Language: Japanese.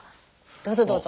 どうぞどうぞ。